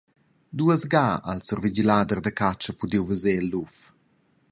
Duas ga ha il survigilader da catscha pudiu veser il luf.